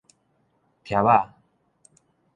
疊仔